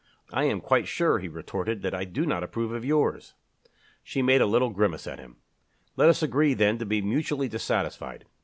"I am quite sure," he retorted, "that I do not approve of yours." She made a little grimace at him. "Let us agree, then, to be mutually dissatisfied.